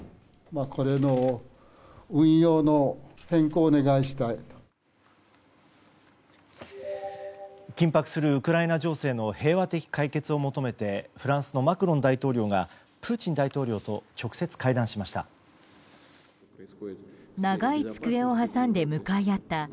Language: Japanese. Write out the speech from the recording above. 緊迫するウクライナ情勢の平和的解決を求めてフランスのマクロン大統領がプーチン大統領と直接会談をしました。